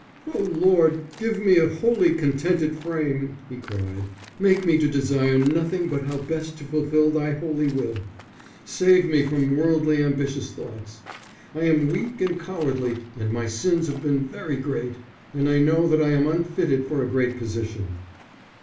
"O Lord, give me a holy contented frame," he cried. "Make me to desire nothing but how best to fulfil Thy holy will. Save me from worldly ambitious thoughts. I am weak and cowardly, and my sins have been very great, and I know that I am unfitted for a great position."